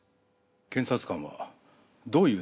検察官はどういうつもりですか？